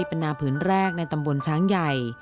เป็นนาผืนแรกในตำบลช้างใหญ่